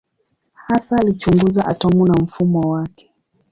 Hasa alichunguza atomu na mfumo wake.